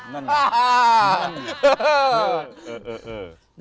นั่นแหละ